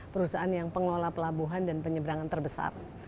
perusahaan yang pengelola pelabuhan dan penyeberangan terbesar